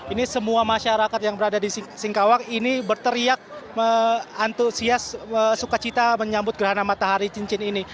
ini semua masyarakat yang berada di singkawang ini berteriak antusias sukacita menyambut gerhana matahari cincin ini